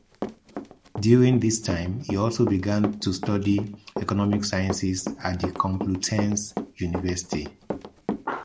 During this time he also began to study economic sciences at the Complutense University.